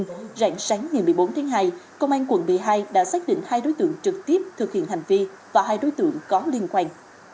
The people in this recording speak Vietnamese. trong ngày một mươi bốn tháng hai công an quận b hai đã xác định hai đối tượng trực tiếp thực hiện hành vi và hai đối tượng có liên quan